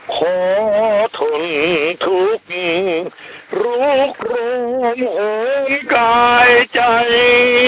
ขอทนทุกข์รุกรมของกายใจ